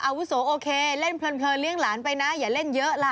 อาวุโสโอเคเล่นเพลินเลี้ยงหลานไปนะอย่าเล่นเยอะล่ะ